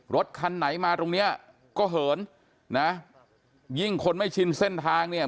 รถคันไหนมาตรงเนี้ยก็เหินนะยิ่งคนไม่ชินเส้นทางเนี่ย